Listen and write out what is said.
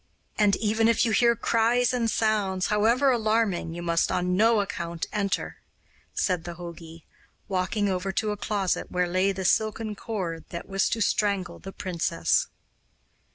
'And even if you hear cries and sounds, however alarming, you must on no account enter,' said the jogi, walking over to a closet where lay the silken cord that was to strangle the princess.